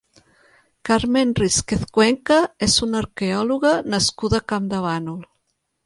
Carmen Rísquez Cuenca és una arqueòloga nascuda a Campdevànol.